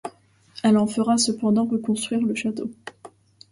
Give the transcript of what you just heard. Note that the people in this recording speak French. Elle en fera cependant reconstruire le château.